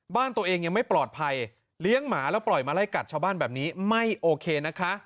บ้านตัวเองยังไม่ปลอดภัยเลี้ยงหมาแล้วปล่อยมาไล่กัดชาวบ้านแบบนี้ไม่โอเคนะคะ